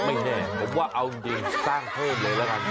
ไม่แน่ผมว่าเอาจริงสร้างเพิ่มเลยละกัน